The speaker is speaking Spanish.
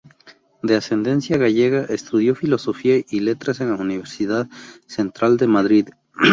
De ascendencia gallega, estudió Filosofía y Letras en la Universidad Central de Madrid.